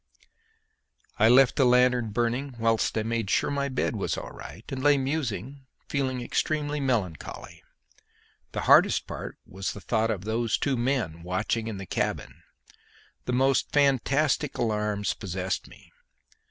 I left the lanthorn burning whilst I made sure my bed was all right, and lay musing, feeling extremely melancholy; the hardest part was the thought of those two men watching in the cabin. The most fantastic alarms possessed me.